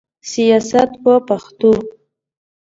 سیاست په پښتو.